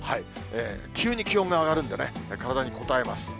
急に気温が上がるんでね、体にこたえます。